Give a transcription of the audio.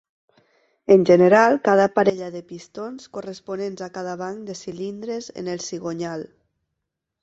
En general, cada parella de pistons corresponents a cada banc de cilindres en el cigonyal.